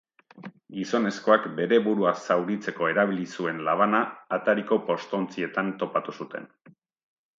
Gizonezkoak bere burua zauritzeko erabili zuen labana atariko postontzietan topatu zuten.